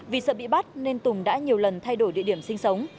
vì sợ bị bắt nên tùng đã nhiều lần thay đổi địa điểm sinh sống